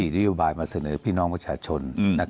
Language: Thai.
นโยบายมาเสนอพี่น้องประชาชน